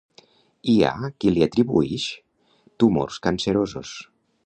Hi ha qui li atribuïx tumors cancerosos.